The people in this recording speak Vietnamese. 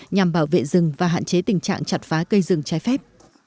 nhằm bảo vệ rừng và hạn chế tình trạng chặt phá cây rừng trái phép